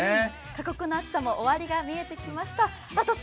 過酷な暑さも終わりが見えてきました。